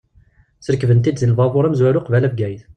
Srekben-t-id deg lbabur amezwaru qbala Bgayet.